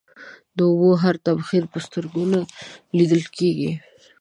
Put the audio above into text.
د اوبو هر تبخير په سترگو نه ليدل کېږي.